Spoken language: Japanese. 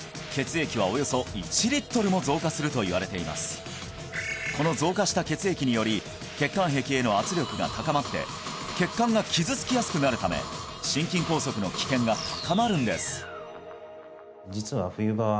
実はこの増加した血液により血管壁への圧力が高まって血管が傷つきやすくなるため心筋梗塞の危険が高まるんです